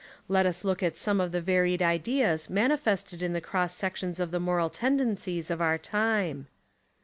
Let us look at some of the varied Ideas manifested In the cross sections of the moral tendencies of our time.